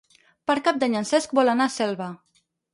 Per Cap d'Any en Cesc vol anar a Selva.